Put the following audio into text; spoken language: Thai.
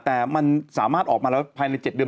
แต่มันสามารถออกมาแล้วภายใน๗เดือน